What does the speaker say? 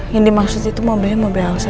yang dimaksud itu mobilnya mobil angsa